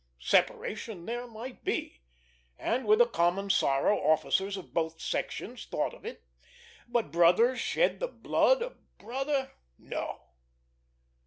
Separation there might be, and with a common sorrow officers of both sections thought of it; but, brother shed the blood of brother? No!